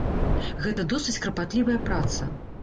Гэта досыць карпатлівая праца.